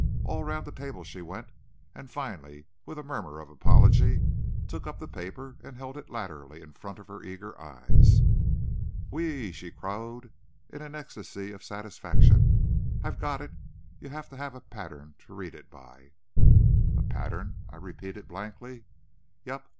All round the table she went, and finally, with a murmur of apology, took up the paper and held it laterally in front of her eager eyes. "Whee!" she crowed in an ecstasy of satisfaction; "I've got it! You have to have a pattern to read it by." "A pattern!" I repeated, blankly. "Yep!